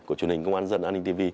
của truyền hình công an dân an ninh tv